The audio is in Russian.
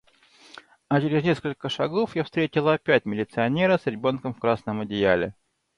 А через несколько шагов я встретила опять милиционера с ребёнком в красном одеяле.